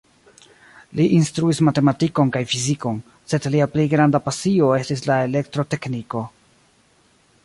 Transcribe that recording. Li instruis matematikon kaj fizikon, sed lia plej granda pasio estis la elektrotekniko.